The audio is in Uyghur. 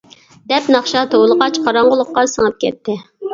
دەپ ناخشا توۋلىغاچ، قاراڭغۇلۇققا سىڭىپ كەتتى.